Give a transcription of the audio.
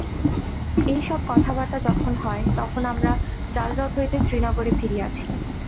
এই সব কথাবার্তা যখন হয়, তখন আমরা ডালহ্রদ হইতে শ্রীনগরে ফিরিয়াছি।